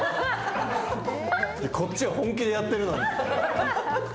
こっちは本気でやってるのに。